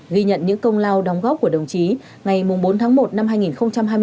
ghi nhận những công lao đóng góp của đồng chí ngày bốn tháng một năm hai nghìn hai mươi bốn